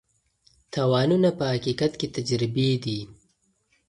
تاوانونه په حقیقت کې تجربې دي.